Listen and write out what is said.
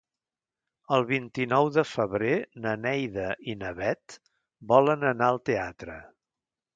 El vint-i-nou de febrer na Neida i na Bet volen anar al teatre.